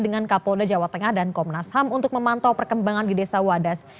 dengan kapolda jawa tengah dan komnas ham untuk memantau perkembangan di desa wadas